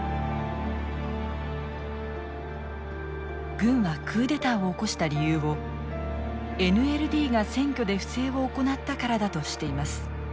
軍はクーデターを起こした理由をＮＬＤが選挙で不正を行ったからだとしています。